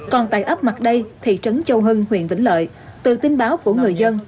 còn tại ấp mặt đây thị trấn châu hưng huyện vĩnh lợi từ tin báo của người dân